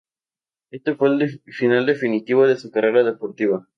Este fue el final definitivo de su carrera deportiva.